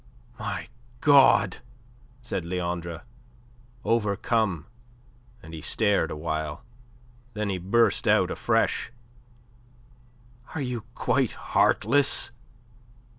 "My God!" said Leandre, overcome, and he stared awhile. Then he burst out afresh. "Are you quite heartless?